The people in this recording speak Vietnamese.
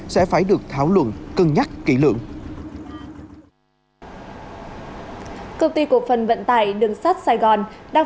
sẽ phải được thảo luận cân nhắc kỹ lượng công ty cổ phần vận tải đường sắt sài gòn đang